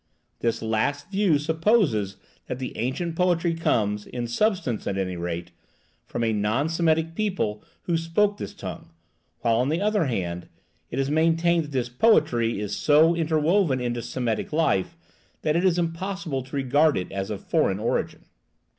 This last view supposes that the ancient poetry comes, in substance at any rate, from a non Semitic people who spoke this tongue; while on the other hand, it is maintained that this poetry is so interwoven into Semitic life that it is impossible to regard it as of foreign origin.